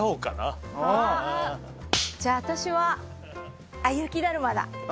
じゃあ私は雪だるまだ。